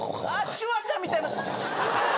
シュワちゃんみたいに。